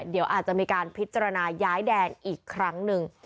เดี๋ยวอาจจะมีการพิจารณาย้ายแดนอีกครั้งหนึ่ง